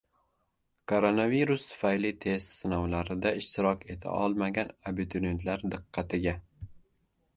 Koronavirus tufayli test sinovlarida ishtirok eta olmagan abituriyentlar diqqatiga!